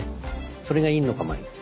それが陰の構えです。